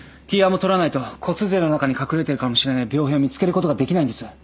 Ｔ１も撮らないと骨髄の中に隠れてるかもしれない病変を見つけることができないんです。